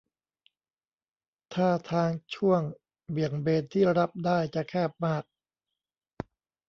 ท่าทางช่วงเบี่ยงเบนที่รับได้ จะแคบมาก